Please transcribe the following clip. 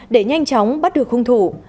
để nhanh chóng bắt được hung thủ